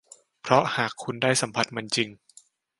เพราะหากคุณได้สัมผัสมันจริง